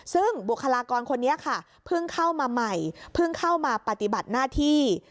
ซึ่งบุคลากรคนนี้ค่ะเพิ่งเข้ามาใหม่เพิ่งเข้ามาปฏิบัติหน้าที่